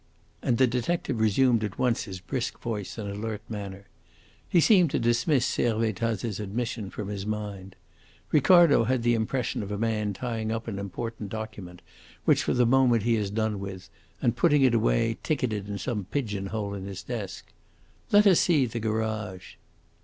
And the detective resumed at once his brisk voice and alert manner. He seemed to dismiss Servettaz's admission from his mind. Ricardo had the impression of a man tying up an important document which for the moment he has done with, and putting it away ticketed in some pigeon hole in his desk. "Let us see the garage!"